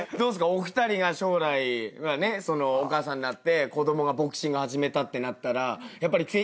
お二人が将来お母さんになって子供がボクシング始めたってなったらやっぱり圭佑君のお母さんのような。